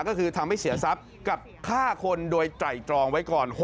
ก็คือทำให้เสียทรัพย์กับฆ่าคนโดยไตรตรองไว้ก่อน